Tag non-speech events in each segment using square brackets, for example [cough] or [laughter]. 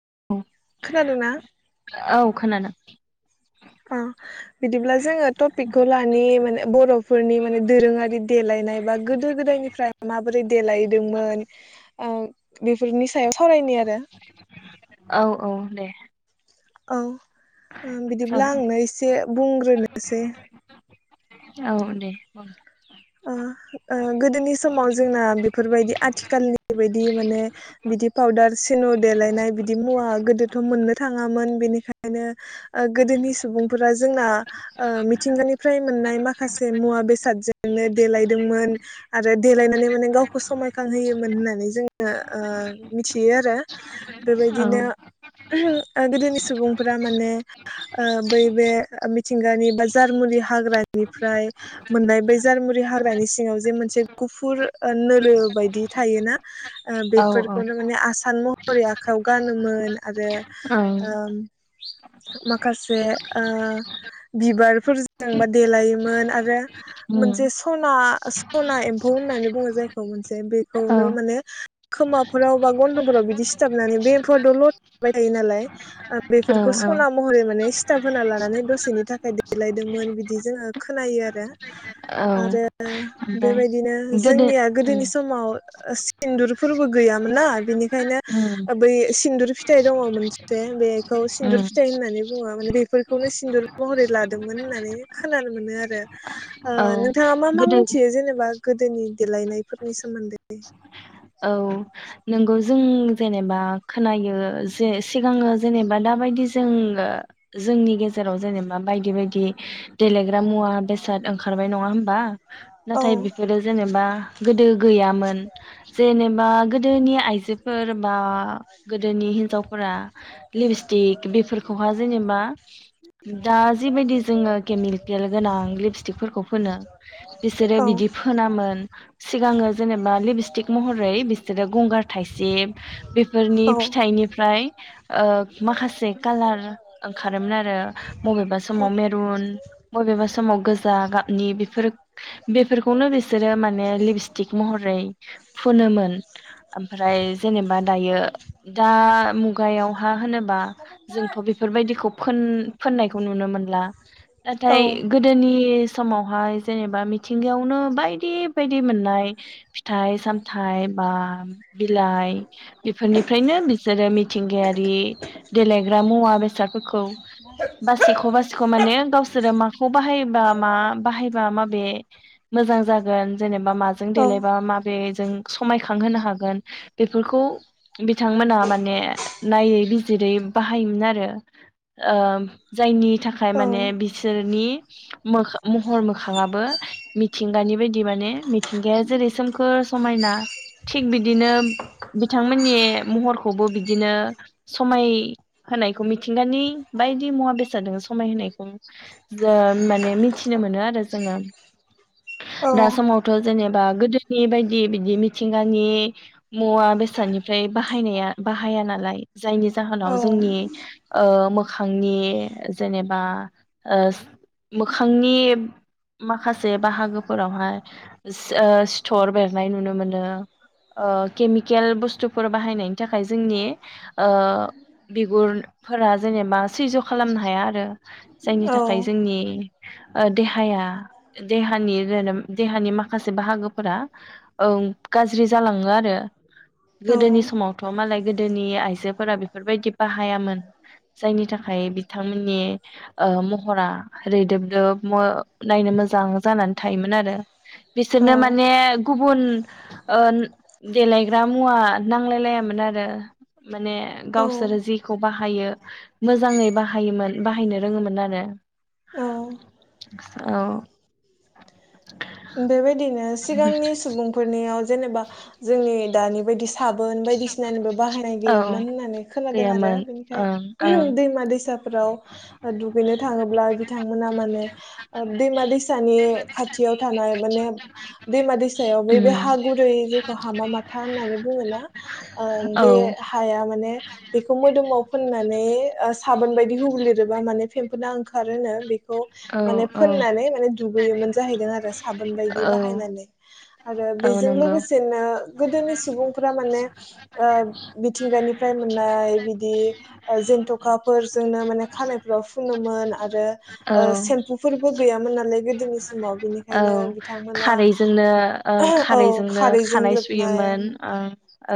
[unintelligible] खोनादोंना? औ खोनादों। ओ बिदिब्ला जोङो टपिकखौ लानि माने बर'फोरनि माने दोरोङारि देलायनाय बा गोदो गोदायनिफ्राय माबोरै देलायदोंमोन ओं बेफोरनि सायाव सावरायनि आरो औ औ दे। औ ओ बिदिब्ला सावराय आंनो एसे बुंग्रोनोसै औ दे ओ ओ गोद गोदोनि समाव जोंना बेफोरबायदि आथिखालनि बायदि माने बिदि पाउदार सेनु देलायनाय बिदि मुवा गोदोथ' मोननो थाङामोन बेनिखायनो ओ गोदोनि सुबुंफोरा जोंना ओ मिथिंगानिफ्राय मोननाय माखासे मुवा बेसादजों नो देलायदोंमोन आरो देलायनानै माने गावखौ समायखांहोयोमोन होननानै जोङो ओ मिथियो आरो। बेबायदिनो ओ गोदोनि सुबुंफोरा माने ओ बै बे मिथिंगानि बा जारमुुलि हाग्रानिफ्राय मोननाय बै जारमुरि हाग्रानि सिङाव जे मोनसे गुफुर ओ नोलो बायदि थायोना। ओ औ बेफोरखौनो माने आसान मह सरि आखायाव गानोमोन। आरो ओं ओम। माखासे ओ बिबारफोरजोंबा देलायोमोन आरो मोनसे उम सना सना एम्फौ होन्नानै बुङो जायखौ मोनसे औ बेखौनो माने खोमाफोराव बा गन्थंफोराव बिदि सिथाबनानै बे एम्फौआ दलथ' थाबाय थायो नालाय ओ औ बेफोरखौ औ सना महरै माने सिथाब होना लानानै दसेनि थाखाय देलायदोंमोन बिदि जोङो खोनायो आरो। आरो ओमफ्राय बेबाय बिदिनो गोदो जोंनिया उम गोदोनि समाव ओ सिन्दुरफोरबो गैयामोन ना बिनिखायनो उम ओ बै सिन्दुर फिथाइ दङ मोनसे बे खौ सिन्दुर उम फिथाइ होन्नानै बुङो माने बेफोरखौनो सिन्दुर महरै लादोंमोन होन्नानै खोनानो मोनो आरो ओ औ नोंथाङा मा मा गोदो मिथियो जेनेबा गोदोनि देलायनायफोरनि सोमोन्दै? औ नोंगौ जों जेनेबा खोनायो जे सिगाङो जेनेबा दाबायदि जों जोंनि गेजेराव जेनेबा बायदि बायदि देलाइग्रा मुवा बेसाद ओंखारबाय नङा होमबा? औ नाथाय बेफोरो जेनेबा गोदो गै गैयामोन [unintelligible] गोदोनि आइजो फोरबा गोदोनि हिनजावफोरा लिपस्टिक बेफोरखौहा जेनेबा दा जिबायदि जोङो केमिकेल गोनां लिपस्टिकफोरखौ फुनो बिसोरो औ बिदि फोनामोन। सिगाङो जेनेबा लिपस टिक महरै बिसोरो गंगार थाइसिब बेफोरनि फिथाइनिफ्राय ओ माखासे कालार ओंखारोमोन आरो बबेबा समाव मेरुन बबेबा समाव गोजा गाबनि बेफोर बेफोरखौनो बिसोरो माने लिपस्टिक महरै फुनोमोन ओमफ्राय जेनेबा दायो दा मुगायावहा होनोबा जोंथ' बेफोरबायदिखौ फोन फोन्नायखौ नुनो मोनला औ नाथाय गोदोनि समावहाय जेनेबा मिथिंगायावनो बायदि बायदि मोननाय फि फिथाइ सामथाइ बा बिलाइ बेफोरनिफ्रायनो बिसोरो मिथिंगायारि देलायग्रा मुवा बेसादफोरखौ बासिख' बासिख' माने गावसोरो माखौ बाहायबा मा बाहायबा माबे मोजां जागोन जेनेबा मा माजों औ देलायबा मा नों समायखांहोनो हागोन बेफोरखौ बिथांमोना माने नायै बिजिरै बाहायोमोन आरो। ओम जायनि थाखाय माने औ बिसोरनि मोखां महर मोखाङाबो मिथिंगानि बायदि दि माने मिथिंगाया जेरै सोमखो फोर समायना थिग बिदिनो बिथांमोननि महरखौबो बिदिनो समाय होनायखौ मिथिंगानि बायदि मुवा बेसादजों समाय होनायखौ जो माने मिथिनो मोनो आरो जोङो। दा औ समावथ' जेनेबा बा गोदोनि नि बायदि बिदि मिथिंगानि मुवा बेसादनिफ्राय बाहायनाया बाहाया नालाय जायनि औ जाहोनाव जोंनि ओ मो मोखांनि जेनेबा ओ मोखांनि माखासे बाहागोफोरावहाय ओ सिथर बेरनाय नुनो मोनो ओ केमिकेल बुस्थुफोर बाहायनायनि थाखाय ओ जोंनि बिगुरफोरा जेनेबा सैज्य' खालामनो हाया आरो। जायनि थाखाय जोंनि देहाया देहानि जेने देहानि माखासे बाहागो फोरा औ गाज्रि जालाङो आरो औ गोदोनि समाव थ' मालाय गोदोनि आइजोफोरा बेफोरबायदि बाहायामोन जायनि थाखाय बिथांमोननि महरा ओ रैदोबदोब नायनो मोजां जानानै थायोमोन आरो बिसोरनो माने माने गुबुन ओ देलायग्रा मुवा नांलायलायामोन आरो माने औ गावसोरो जेखौ बाहायो मोजाङै बाहायोमोन बाहायनो रोङोमोन आरो औ औ बेबायदि बिदिनो सिगांनि सुबुंफोरनियाव जेनेबा जोंनि दानि बायदिसो साबोन बायदिसिनानिबो बाहायनाय औ गैयामोन होननानै खोनादों आरो गैयामोन बेनिखाय ओं ओं दैमा दैसा फोराव दुगैनो थाङोब्ला बिथांमोना माने दैमा दैसानि खाथियाव थानाय माने दैमा दैसायाव बै बे हा उम गुरै जेखौ हामा माथा होननानै बुङोना ओ औ बे हाया माने बेखौ मोदोमाव फोननानै ओ साबोन बायदि हुब्लेरोबा माने फेब्रि [unintelligible] फेंखोना ओंरोनो बेखौ बेखौ औ माने औ फोननानै माने दुगैयोमोन जाहैदों आरो साबोन बायदि औ बाहायनानै आरो औ बेजों नंगौ लोगोसेनो गोदोनि सुबुंफोरा माने ओ मिथिंगानिफ्राय मोननाय बिदि ओ जेन्थ'खाफोरजोंनो माने खानायफोराव फुनोमोन आरो ओ औ सेम्पु फोरबो गैयामोन नालाय गोदोनि समाव औ बिनिखायनो बिथांमोना खारैजोंनो ओं औ खारैजोंनो खारैजों खानाय लोबनाय सुयोमोन ओं औ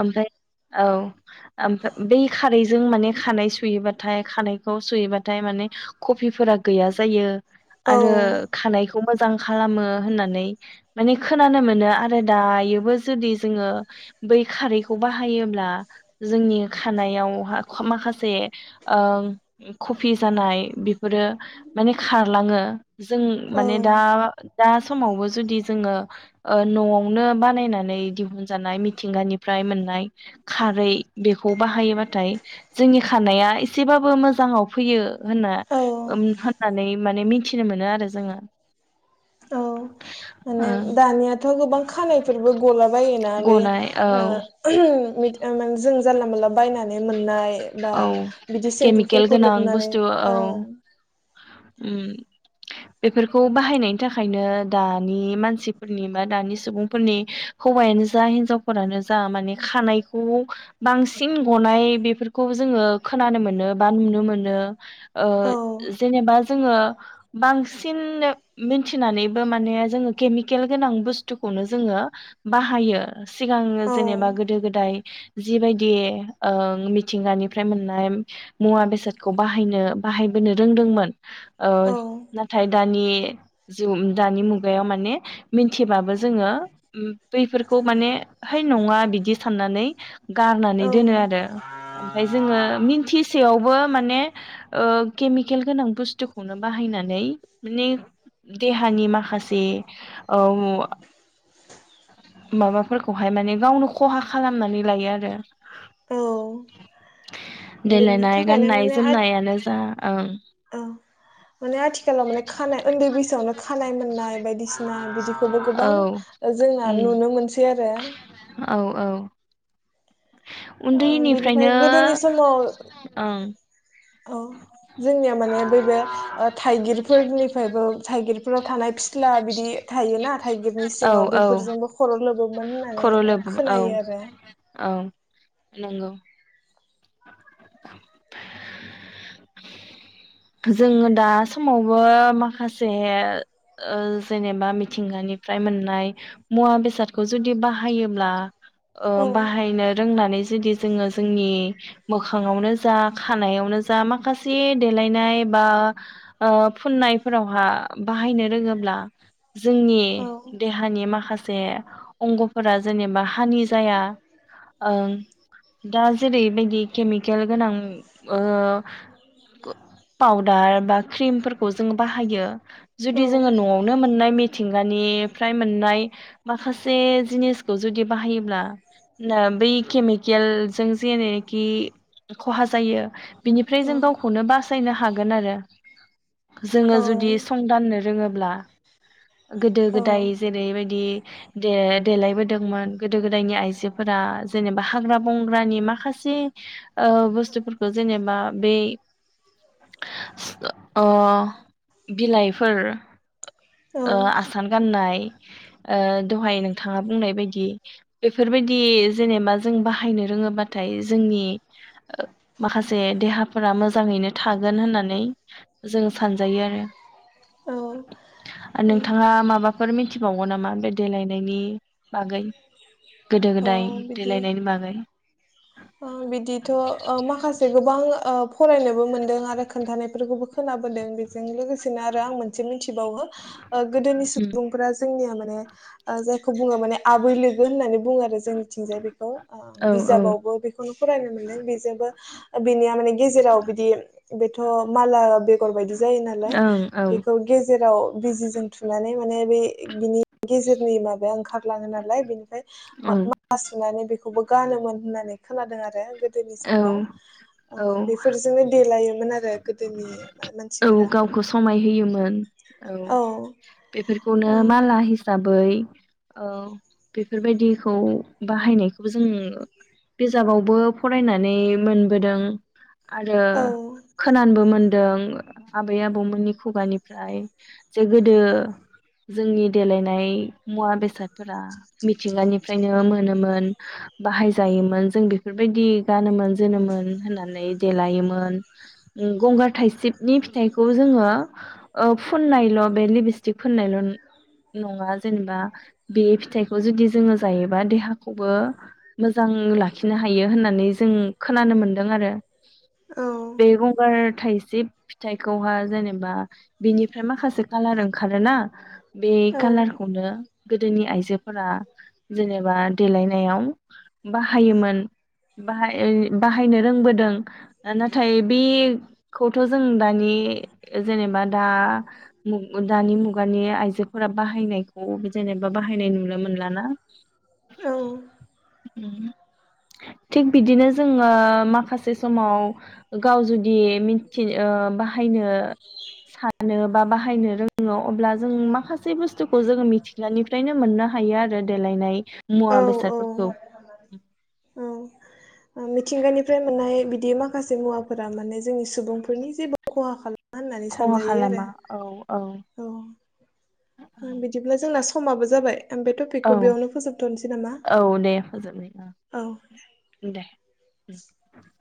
ओमफ्राय औ ओमफा बै खारैजों माने खानाय सुयोबाथाय खानायखौ सुयोबाथाय माने ख खावफिफोरा गैया जायो औ आरो खानायखौ मोजां खालामो होननानै माने खोनानो मोनो आरो दायोबो जुदि जोङो बै खारैखौ बाहायोब्ला जोंनि खानायाव माखासे ओ कफि जानाय बेफोर बेफोरो माने खारलाङो जों औ माने दा। दा समावबो जुदि जोङो ओ न'आव। नआवनो बानायनानै दिहुनजानाय थिंगानिफ्राय मोननाय खारै बेखौ बाहायोबाथाय जोंनि खानाया एसेबाबो मोजाङाव फैयो। होनना औ ओम होननानै। माने मिथिनो मोनो आ जोङो। औ माने ओ दानिया थ गोबां खानायफोरबो गलाबायोना बे गनाय औ ओ ओम बि जों जानला मोनला बायनानै मोननाय। [inaudible] बा औ बिदि केमिकेल सेम्पुफोरखौ लोबनानै ओं। ओम बेफोरखौ बाहायनायनि थाखायनो दानि मानसिफोरनि बा दानि सुबुंफोरनि हौवायानो जा हिनजावफोरानो जा माने खानायखौ बांसिन गनाय बेफोर खौ जोङो खोनानो मोनो बा नुनो मोनो। ओ औ जेनेबा जोङो बांसिन मिनथिनानैबो माने जोङो केमिकेल गोनां बुस थुखौनो जोङो बाहायो। सिगां जेनेबा गोदो गोदाय जिबायदि ओ मि थिंगानिफ्राय मोननाय मुवा बेसादखौ बाहायनो बाहायबोनो रोंदोंमोन। ओ औ नाथाय दानि जिउ ओम दानि मुगायाव माने मिथिबाबो जोङो बैफोरखौ माने हैै नङा बिदि साननानै गारनानै औ दोनो आरो। जोङो मिन्थिसेयावबो ओ माने ओ केमिकेल गोनां बुस्थुखौनो बाहायनानै माने देहानि माखासे औ माबाफोरखौहाय माने गावनो खहा खालामनानै लायो आरो। औ। [unintelligible] देलायनाय थाखायनो गाननाय माने आथ जोमनायानो जा ओं औ माने आथिखालाव माने खानाय उन्दै बैसोआवनो खानाय मोननाय। बायदिसिना बिदि। खौबो औ गोबां जोंना उम नुनो मोनसै आरो। औ औ ओ बिनिफाय उन्दैनिफ्रायनो गोदोनि समाव ओं औ जोंनिया माने बैबे थाइगिरफोरनिफ्रायबो थाइगिर। फोराव थानाय फि त्ला बिदि थायोना थाइगिरनि औ सिङाव औ बेफोरजोंबो खर लोबो। मोन होननानै खर' ओ लोब औ खोनायो आरो। औ नंगौ। [inaudible] जोङो दा समावबो माखासे ओ जेनेबा मिथिंगानिफ्राय मोननाय मुवा बेसादखौ जुदि बाहायोब्ला ओ औ बाहायनो रोंनानै जुदि जोङो जोंनि मोखाङावनो जा, खानायावनो जा माखासे देलाय नाम बा ओ फुननायफोरावहा बाहायनो रोङोब्ला जोंनि औ देहानि माखासे से अंगफोरा जेनेबा हानि जाया। ओं दा जेरैबायदि केमिकेल गोनां ओ पाउदार बा ख्रिमफोरखौ जों बाहायो, औ जुदि जोङो न'आवनो मोननाय मिथिंगानिफ्राय मोननाय माखासे जिनिसखौ जुदि बाहायोब्ला नो बै केमिकेलजों जेनेखि खहा जायो बिनिफ्राय जों गावखौनो बा बासायनो हागोन आरो औ जोङो जुदि संदाननो रोङो ब्ला गोदो गोदाय औ जेरैबायदि दे देलायबोदोंमोन गोदो गोदायनि आइजोफोरा जेनेबा हाग्रा बंग्रानि माखासे ओ बुस्थुफोरखौ जेनेबा बेै [unintelligible] ओ बिलाइफोर ओ औ आसान गाननाय ओ दहाय नोंथाङा बुंनाय बायदि बेफोरबायदि जेनेबा थागोन होननानै जों सानजायो आरो औ नोंथाङा माबाफोर मिथिबावगौ नामा बे देलायनायनि बागै गोदो औ गोदाय बिदि देलायनाइनि बागै ओ बिदिथ' ओ माखासे गोबां ओ फरायनोबो मोनदों आरो खोन्थानायफोरखौबो खोनाबोदों बेजों लोगोसेनो आरो आं मोनसे मोनथि बावो ओ गोदोनि उम सुबुंफोरा जोंनिया मा माने ओ जायखौ बुङो माने आबै लोगो होननानै बुङो आरो जोंनिथिंजाय बेखौ अ औ औ बिजाबावबो खौनो फरायनो मोनदों बिजाबा बिनिया माने गेजेराव बिदि बेथ' माला बेगर बायदि जायो नालाय ओं औ बेखौ गेजेराव बिजिजों थुनानै माने बे बिनि गेजेरनि माबाया ओंखारलाङो नालाय बिनि ओं मा-माला सुनानै बेखौहाय बेखौबो गानोमोन होननानै खोनादों आरो गो दोनि औ समाव ओ औ बेफोरजोंनो देलायोमोन मोन आरो गोदोनि औ मानसिफोरा। गावखौ समायहोयोमोन औ बेफोरखौनो ओ माला हि हिसाबै ओ बेफोरबायदिखौ बाहायनायखौबो जों बिजाबावबो फरायनानै मोनबोदों आरो औ दों आबै आबौमोननि खुगानिफ्राय जे गोदो जोंनि देलायनाय मुवा बेसादफोरा मिथिंगानिफ्रायनो मोनोमोन बाहायजायोमोन जों बेफोरबायदि गानोमोन जोनोमोन होननानै देलायोमोन। ओं गंगार थाइसिबनि फिथाइखौ जोङो ओ फुननायल' बे लिपस्टिक फुननायल' नङा जेनेबा बे फिथाइखौ जुदि जोङो जायोबा देहाखौबो मोजां लाखिनो हायो होननानै जों खोनानो मोनदों आरो। औ बे गंगार थाइसिब फिथाइखौहा जेनेबा बिनिफ्राय माखासे कालार ओंखारोना बे औ कालारखौनो गोदोनि आइजो जोफोरा जेनेबा देलायनायाव बाहायोमोन बाहाय बाहायनो रोंबोदों। नाथाय बेखौथ' जों दानि जेनेबा दा मुग दानि मुगानि आइजोफोरा बाहायनायखौ जेनेबा बाहायनाय नुनो मोनलाना [inaudible] औ थिग बिदिनो जोङो माखासे समाव गाव जुद दि मिन्थि ओ बाहायनो सानो बा बाहायनो रोङो अब्ला जों माखासे बुस्थुखौ जोङो मिथिंगानिफ्रायनो मोननो हायो आरो देलायनाय मुवा औ बेसादफोरखौ। औ औ फोरा माने जोंनि सुबुंफोरनि जेबो खहा खालाम खहा खालामा औ औ। ओं बिदिब्ला जोंना समाबो जाबाय। आं बे औ टपिकखौ बेयावनो फोजोबथनोसै नामा औ दे फोजोबनाय औ। [unintelligible]